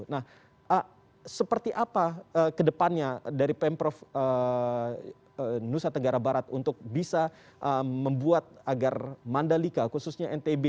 nah seperti apa ke depannya dari pemprov nusa tenggara barat untuk bisa membuat agar mandalika khususnya ntb